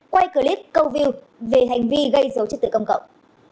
quay clip câu view về hành vi gây dấu chất tự công cộng